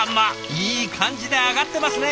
いい感じで揚がってますね。